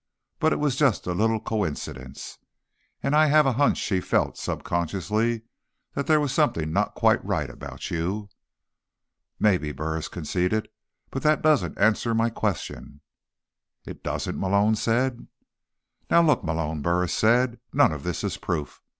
"But it was just a little coincidence. And I have a hunch she felt, subconsciously, that there was something not quite right about you." "Maybe," Burris conceded. "But that doesn't answer my question." "It doesn't?" Malone said. "Now look, Malone," Burris said. "None of this is proof.